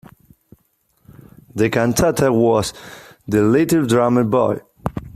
The cantata was "The Little Drummer Boy".